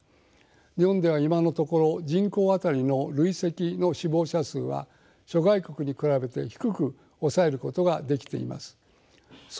日本では今のところ人口あたりの累積の死亡者数は諸外国に比べて低く抑えることができています。